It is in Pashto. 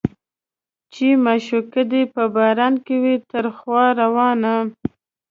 چې معشوقه دې په باران کې وي تر خوا روانه